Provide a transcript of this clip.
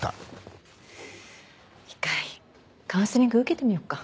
一回カウンセリング受けてみよっか。